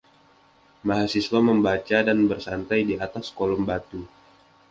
Mahasiswa membaca dan bersantai di atas kolom batu.